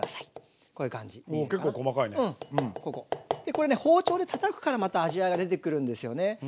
これね包丁でたたくからまた味わいが出てくるんですよね。